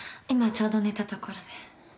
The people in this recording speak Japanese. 今ちょうど寝たところで。